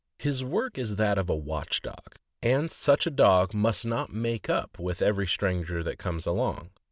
His work is that of the watch dog, and such a dog must not make up with every stranger that comes along.